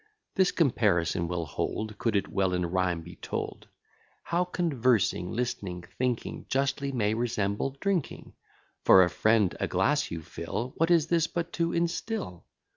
This comparison will hold, Could it well in rhyme be told, How conversing, listening, thinking, Justly may resemble drinking; For a friend a glass you fill, What is this but to instil?